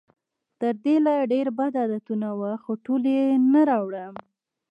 تر دې لا ډېر بد عادتونه وو، خو ټول یې نه راوړم.